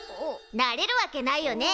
なれるわけないよね。